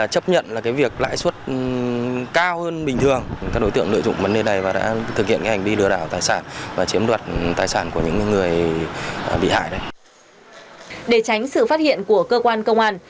các đối tượng sử dụng thiết bị là decoder